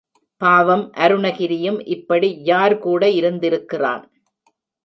பாவம் அருணகிரியும் இப்படி யார் கூட இருந்திருக்கிறான்.